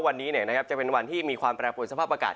วันนี้เนี่ยนะครับจะเป็นวันที่มีความแปรผลสภาพอากาศ